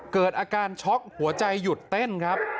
เกิดอาการช็อกหัวใจหยุดเต้นครับ